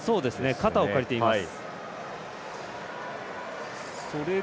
肩を借りています。